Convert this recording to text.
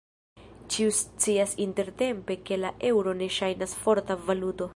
Ĉiu scias intertempe ke la eŭro ne ŝajnas forta valuto.